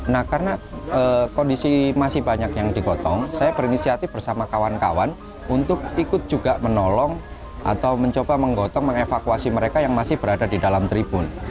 nah karena kondisi masih banyak yang digotong saya berinisiatif bersama kawan kawan untuk ikut juga menolong atau mencoba menggotong mengevakuasi mereka yang masih berada di dalam tribun